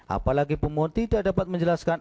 apalagi pemohon tidak dapat menjelaskan